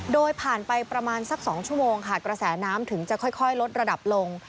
โดยผ่านไปประมาณสัก๒ชั่วโมงค่ะกระแสน้ำถึงจะค่อยลดระดับลง